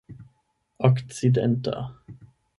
okcidenta